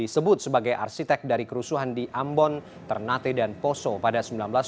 disebut sebagai arsitek dari kerusuhan di ambon ternate dan poso pada seribu sembilan ratus sembilan puluh